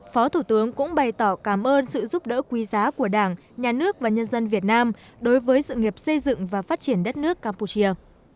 phó thủ tướng cũng bày tỏ cảm ơn sự giúp đỡ quý giá của đảng nhà nước và nhân dân việt nam đối với sự nghiệp xây dựng và phát triển đất nước campuchia